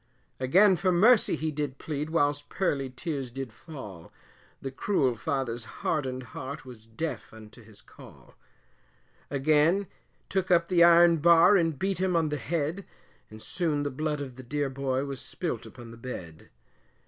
Again for mercy he did plead whilst pearly tears did fall, The cruel father's hardened heart, was deaf unto his call Again took up the iron bar, and beat him on the head, And soon the blood of the dear boy, was spilt upon the bed.